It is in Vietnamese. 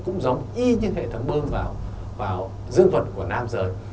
cũng giống y như hệ thống bơm vào dương vật của nam giới